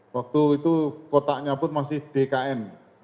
waktu itu kotaknya pun masih dkn